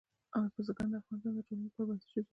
بزګان د افغانستان د ټولنې لپاره بنسټيز رول لري.